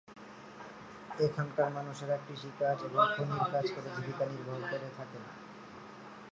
এখানকার মানুষেরা কৃষি কাজ এবং খনির কাজ করে জীবিকা নির্বাহ করে থাকেন।